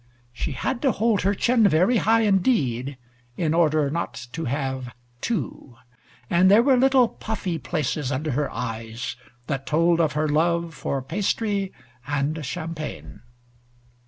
She had to hold her chin very high indeed in order not to have two, and there were little puffy places under her eyes that told of her love for pastry and champagne.